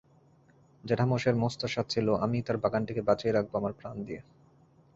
জেঠামশাইয়ের মস্ত সাধ ছিল আমিই তাঁর বাগানটিকে বাঁচিয়ে রাখব আমার প্রাণ দিয়ে।